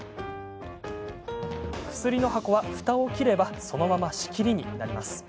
薬の箱は、ふたを切ればそのまま仕切りになります。